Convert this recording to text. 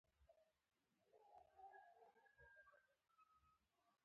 نه يې څوک کمولی شي.